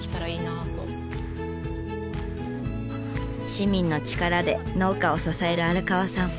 市民の力で農家を支える荒川さん。